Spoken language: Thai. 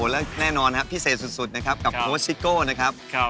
แล้วแน่นอนพิเศษสุดกับโค้ชซิกโกนนะครับ